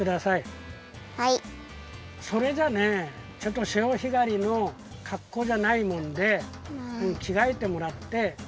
それじゃねちょっと潮干狩りのかっこうじゃないもんできがえてもらって。